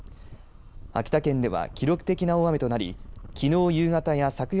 秋田県では記録的な大雨となりきのう